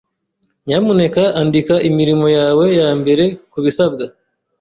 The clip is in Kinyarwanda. Nyamuneka andika imirimo yawe yambere kubisabwa.